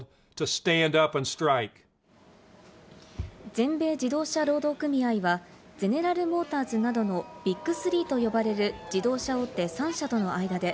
全米自動車労働組合はゼネラル・モーターズなどのビッグ３と呼ばれる自動車大手３社との間で、